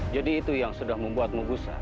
jadi itu yang sudah membuatmu besar